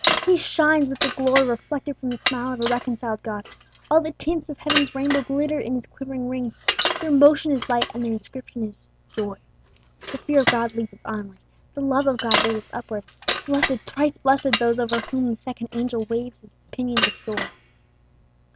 He shines with the glory reflected from the smile of a reconciled God; all the tints of heaven's rainbow glitter in his quivering wings, their motion is light, and their inscription is "joy." The fear of God leads us onward, the love of God bears us upward. Blessed, thrice blessed, those over whom the second angel waves his pinions of joy!